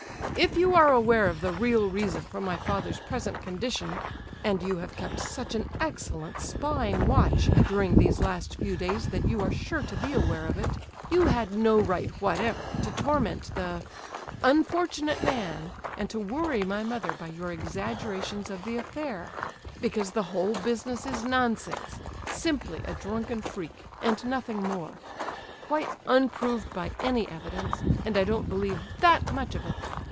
"If you are aware of the real reason for my father's present condition (and you have kept such an excellent spying watch during these last few days that you are sure to be aware of it)—you had no right whatever to torment the—unfortunate man, and to worry my mother by your exaggerations of the affair; because the whole business is nonsense—simply a drunken freak, and nothing more, quite unproved by any evidence, and I don't believe that much of it!"